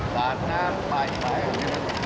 กาดน้ำปลายปลาย